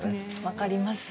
分かります。